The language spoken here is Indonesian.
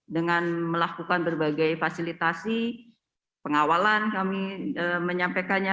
dengan melakukan berbagai fasilitasi pengawalan kami menyampaikannya